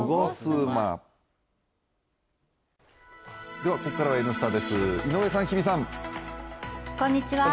ではここからは「Ｎスタ」です、井上さん、日比さん。